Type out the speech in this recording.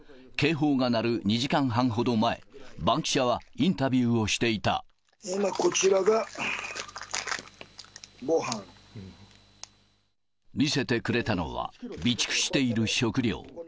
警報が鳴る２時間半ほど前、バンキシャはインタビューをして今、見せてくれたのは、備蓄している食料。